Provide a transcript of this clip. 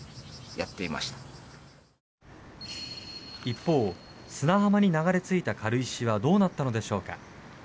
一方、砂浜に流れ着いた軽石はどうなったのでしょうか。